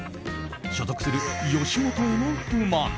所属する吉本への不満。